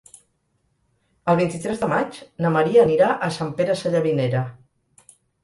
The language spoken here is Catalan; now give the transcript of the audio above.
El vint-i-tres de maig na Maria anirà a Sant Pere Sallavinera.